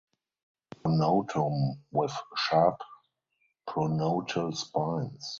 Pronotum with sharp pronotal spines.